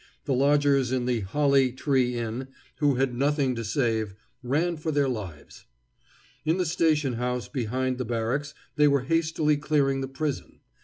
The lodgers in the Holly Tree Inn, who had nothing to save, ran for their lives. In the station house behind the barracks they were hastily clearing the prison.